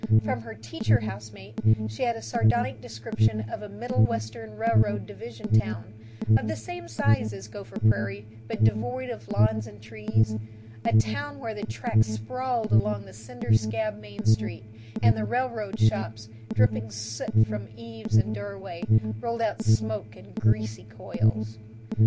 From her teacher housemate she had a sardonic description of a Middlewestern railroad division town, of the same size as Gopher Prairie but devoid of lawns and trees, a town where the tracks sprawled along the cinder scabbed Main Street, and the railroad shops, dripping soot from eaves and doorway, rolled out smoke in greasy coils.